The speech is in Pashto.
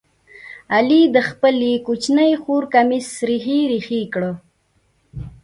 علي د خپلې کوچنۍ خور کمیس ریخې ریخې کړ.